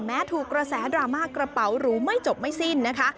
แม้ถูกกระแสดราม่ากระเป๋าหรูไม่จบไม่สิ้นนะคะ